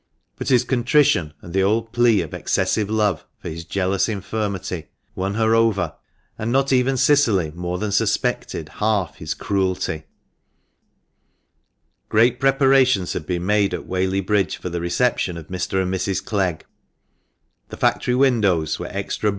But his contrition and the old plea of "excessive love" for his jealous infirmity won her over, and not even Cicily more than suspected half his cruelty. Great preparations had been made at Whaley Bridge for the reception of Mr. and Mrs. Clegg ; the factory windows were extra 412 THE MANCHESTER MAN.